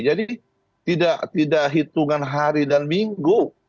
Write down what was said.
tidak hitungan hari dan minggu